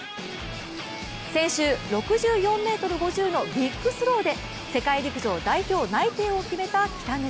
先週６４ｍ５０のビッグスローで世界陸上代表内定を決めた北口。